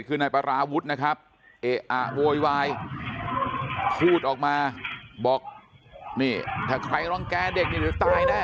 คือนายปราวุฒินะครับเอะอะโวยวายพูดออกมาบอกนี่ถ้าใครรังแก่เด็กนี่หรือตายแน่